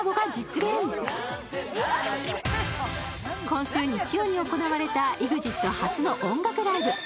今週日曜に行われたＥＸＩＴ初の音楽ライブ。